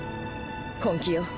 本気よ。